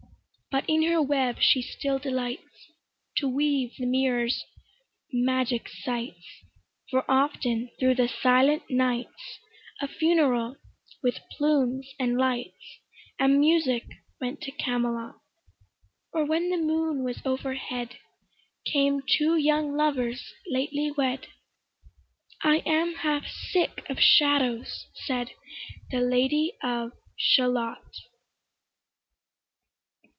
But in her web she still delights To weave the mirror's magic sights, For often thro' the silent nights A funeral, with plumes and lights, And music, went to Camelot: Or when the moon was overhead, Came two young lovers lately wed; "I am half sick of shadows," said The Lady of Shalott.